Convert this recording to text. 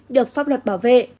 được pháp luật bảo vệ